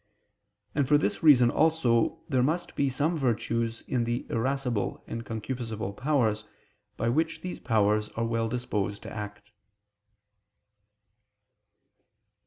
And for this reason also must there be some virtues in the irascible and concupiscible powers, by which these powers are well disposed to act.